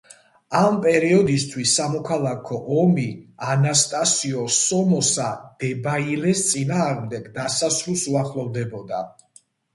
ამ პერიოდისთვის სამოქალქო ომი ანასტასიო სომოსა დებაილეს წინააღდეგ დასასრულს უახლოვდებოდა.